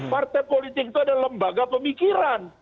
partai politik itu adalah lembaga pemikiran